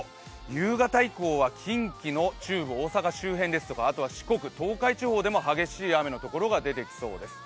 夕方以降は近畿の中部、大阪周辺ですとか四国でも激しい雨のところが出てきそうです。